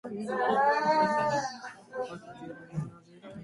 The building features brownstone quarried out of Hummelstown, a neighboring town.